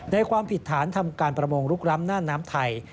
ความผิดฐานทำการประมงลุกล้ำน่านน้ำไทย